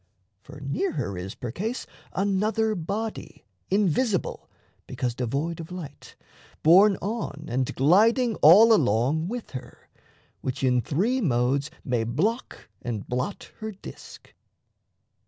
For near her is, percase, another body, Invisible, because devoid of light, Borne on and gliding all along with her, Which in three modes may block and blot her disk.